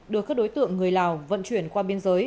đưa các đối tượng người lào vận chuyển qua biên giới